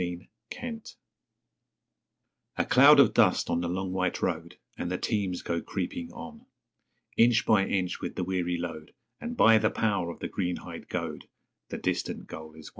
The Teams A cloud of dust on the long white road, And the teams go creeping on Inch by inch with the weary load; And by the power of the green hide goad The distant goal is won.